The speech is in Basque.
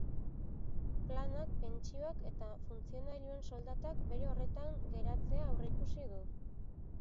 Planak pentsioak eta funtzionarioen soldatak bere horretan geratzea aurreikusi du.